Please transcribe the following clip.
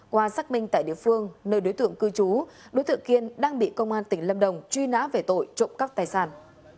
qua xác minh tại địa phương nơi đối tượng cư trú đối tượng kiên đang bị công an tỉnh lâm đồng truy nã về tội trộm cắp tài sản